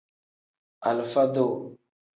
Alifa-duu.